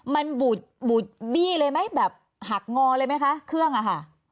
มันบูดบูดบี้เลยไหมแบบหักงอเลยไหมคะเครื่องอะค่ะ